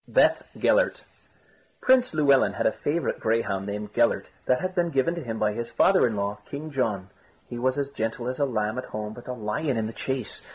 BETH GELLERT Print Llewelyn had a favourite greyhound named Gellert that had been given to him by his father in law, King John. He was as gentle as a lamb at home but a lion in the chase.